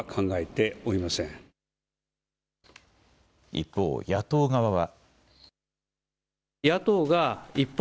一方、野党側は。